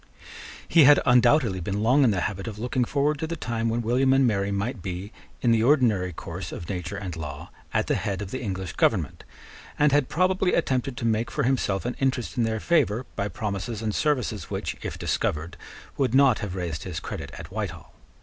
He had undoubtedly been long in the habit of looking forward to the time when William and Mary might be, in the ordinary course of nature and law, at the head of the English government, and had probably attempted to make for himself an interest in their favour, by promises and services which, if discovered, would not have raised his credit at Whitehall.